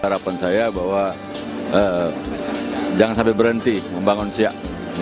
harapan saya bahwa jangan sampai berhenti membangun siak